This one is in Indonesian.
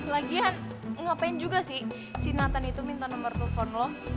lagian ngapain juga sih si nathan itu minta nomor telepon loh